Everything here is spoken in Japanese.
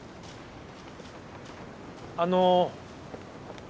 あの。